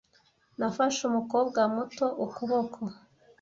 Nafashe umukobwa muto ukuboko.